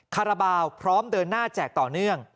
คาราบาลพร้อมเดินหน้าแจกต่อเนื่อง